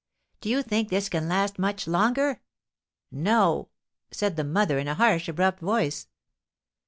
Do you think this can last much longer?" "No!" said the mother, in a harsh, abrupt voice.